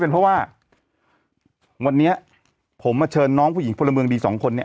เพราะว่าวันนี้ผมมาเชิญน้องผู้หญิงพลเมืองดีสองคนเนี่ย